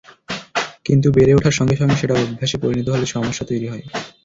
কিন্তু বেড়ে ওঠার সঙ্গে সঙ্গে সেটা অভ্যাসে পরিণত হলে সমস্যা তৈরি হয়।